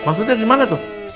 maksudnya dimana tuh